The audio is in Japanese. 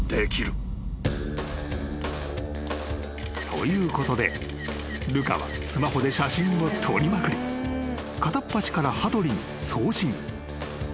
［ということでルカはスマホで写真を撮りまくり片っ端から羽鳥に送信］